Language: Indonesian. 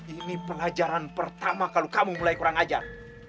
ini pelajaran pertama kalau kamu mulai kurang ajar